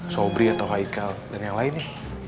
sobri atau haikal dan yang lainnya